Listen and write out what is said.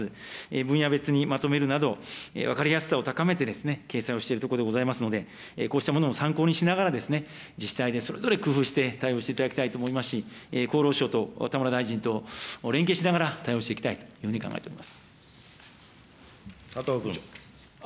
分野別にまとめるなど、分かりやすさを高めてですね、掲載をしているところでございますので、こうしたものを参考にしながら、自治体でそれぞれ工夫して、対応していただきたいと思いますし、厚労省と田村大臣と連携しながら対応していきたいというふうに考え佐藤君。